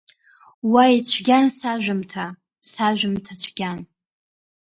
Уа ицәгьан сажәымҭа, сажәымҭа цәгьан.